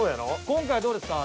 今回どうですか？